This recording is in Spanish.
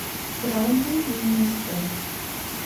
Brandy y Mr.